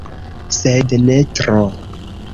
Sed ne tro.